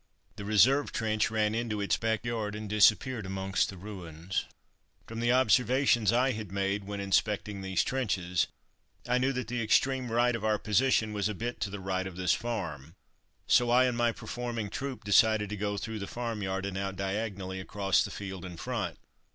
The reserve trench ran into its back yard, and disappeared amongst the ruins. From the observations I had made, when inspecting these trenches, I knew that the extreme right of our position was a bit to the right of this farm, so I and my performing troupe decided to go through the farmyard and out diagonally across the field in front.